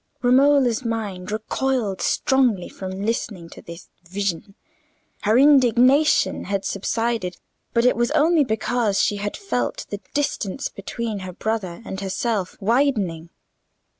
Romola's mind recoiled strongly from listening to this vision. Her indignation had subsided, but it was only because she had felt the distance between her brother and herself widening.